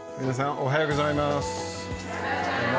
おはようございます。